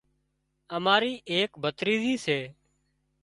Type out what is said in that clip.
اماري ايڪ ڀتريزِي سي